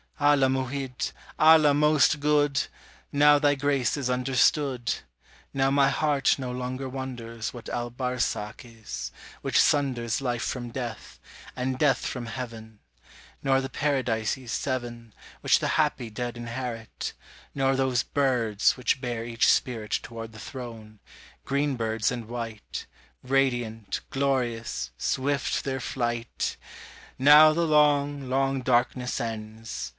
Allah Mu'hid, Allah most good! Now thy grace is understood: Now my heart no longer wonders What Al Barsakh is, which sunders Life from death, and death from heaven: Nor the "Paradises Seven" Which the happy dead inherit; Nor those "birds" which bear each spirit Toward the Throne, "green birds and white," Radiant, glorious, swift their flight! Now the long, long darkness ends.